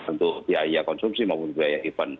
untuk biaya konsumsi maupun biaya event